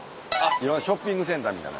ショッピングセンターみたいな。